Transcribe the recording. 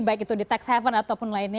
baik itu di tax haven ataupun lainnya